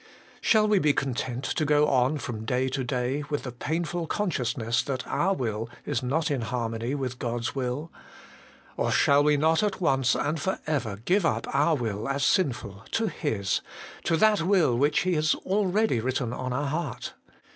Shall we be content to go on from day to day with the painful consciousness that our will is not in harmony with God's will ? Or shall we not at once and for ever give up our will as sinful to His, to that Will which He has already written on our heart